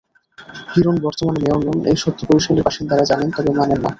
হিরন বর্তমানে মেয়র নন—এই সত্য বরিশালের বাসিন্দারা জানেন, তবে মানেন না।